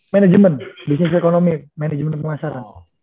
management business economy management pemasaran